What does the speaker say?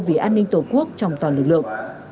vì an ninh tổ quốc trong toàn lực lượng